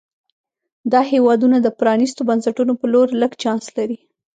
دا هېوادونه د پرانیستو بنسټونو په لور لږ چانس لري.